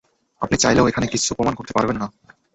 আপনি চাইলেও এখানে কিচ্ছু প্রমাণ করতে পারবেন না।